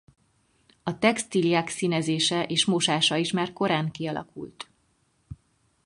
A textíliák színezése és mosása is már korán kialakult.